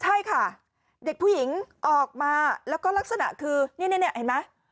ใช่ค่ะเด็กผู้หญิงออกมาแล้วก็ลักษณะคือนี่เห็นไหม